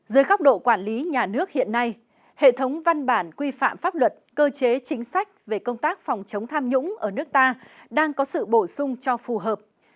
dưới góc độ quản lý nhà nước hiện nay hệ thống văn bản quy phạm pháp luật cơ chế chính sách về công tác phòng chống tham nhũng ở nước ta đang có sự bổ sung cho phù hợp